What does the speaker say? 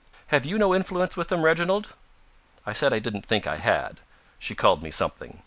"Have you no influence with him, Reginald?" I said I didn't think I had. She called me something.